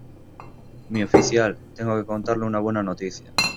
mi oficial, tengo que contarle una buena noticia.